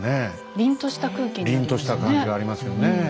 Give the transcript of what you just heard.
りんとした感じがありますよねえ。